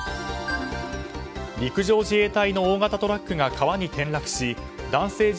陸上自衛隊の大型トラックが川に転落し男性